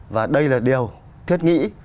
và đây là điều thiết nghĩ